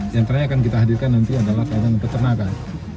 yang terakhir akan kita hadirkan nanti adalah kainan peternakan